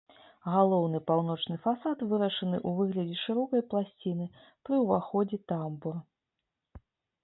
Галоўны паўночны фасад вырашаны ў выглядзе шырокай пласціны, пры ўваходзе тамбур.